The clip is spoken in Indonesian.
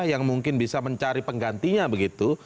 yang mungkin bisa mencari penggantinya begitu